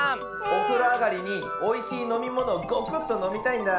おふろあがりにおいしいのみものをゴクッとのみたいんだ。